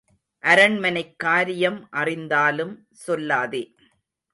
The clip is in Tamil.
அரண்மனைக் காரியம் அறிந்தாலும் சொல்லாதே.